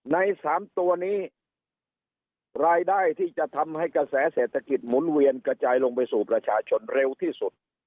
ใน๓ตัวนี้รายได้ที่จะทำให้กระแสเศรษฐกิจหมุนเวียนกระจายลงไปสู่ประชาชนเร็วที่สุด